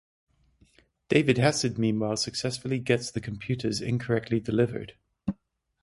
David Hassid meanwhile successfully gets the computers incorrectly delivered.